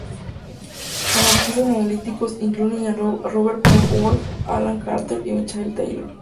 Anarquistas analíticos incluyen a Robert Paul Wolff, Alan Carter, y Michael Taylor.